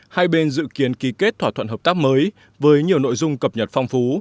hai bên dự kiến ký kết thỏa thuận hợp tác mới với nhiều nội dung cập nhật phong phú